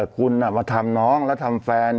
คุณมาทำน้องแล้วทำแฟน